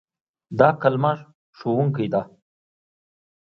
دا کلمه "ښوونکی" ده.